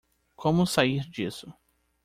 Como sair disso